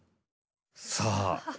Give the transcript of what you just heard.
さあ